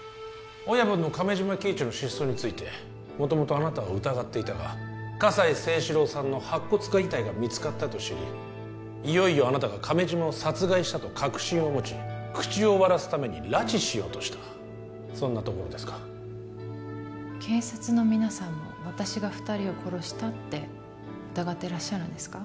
親分の亀島喜一の失踪について元々あなたを疑っていたが葛西征四郎さんの白骨化遺体が見つかったと知りいよいよあなたが亀島を殺害したと確信を持ち口を割らすために拉致しようとしたそんなところですか警察の皆さんも私が二人を殺したって疑ってらっしゃるんですか？